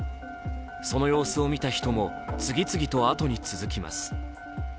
その様子を見た人も次々とあとに続きます。